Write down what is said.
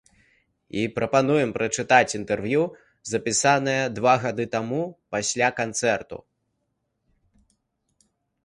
І прапануем пачытаць інтэрв'ю запісанае два гады таму, пасля канцэрту.